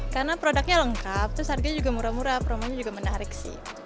karena produknya lengkap terus harganya juga murah murah promonya juga menarik sih